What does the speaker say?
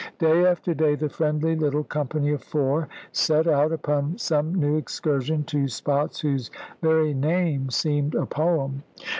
Day after day the friendly little company of four set out upon some new excursion, to spots whose very name seemed a poem.